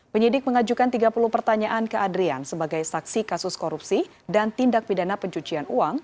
penyidik mengajukan tiga puluh pertanyaan ke adrian sebagai saksi kasus korupsi dan tindak pidana pencucian uang